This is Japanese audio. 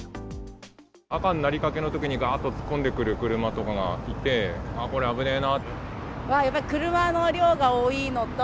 赤になりかけのときに、がーっと突っ込んでくる車とかがいて、これ、危ないなと。